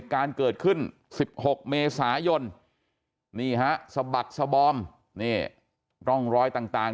การเกิดขึ้น๑๖เมษายนนี่ฮะสะบักสบอมนี่ร่องรอยต่าง